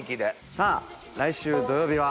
さぁ来週土曜日は